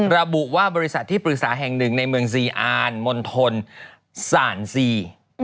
ระบุว่าบริษัทที่ปรึกษาแห่งหนึ่งในเมืองซีอาร์นมณฑลสานซี